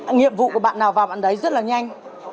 nhiệm vụ của bạn nào vào bạn đấy rất là nhanh